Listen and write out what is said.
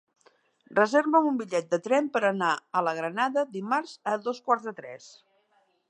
Reserva'm un bitllet de tren per anar a la Granada dimarts a dos quarts de tres.